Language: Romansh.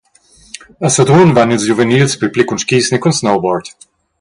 A Sedrun van ils giuvenils pil pli cun skis ni cun snowboard.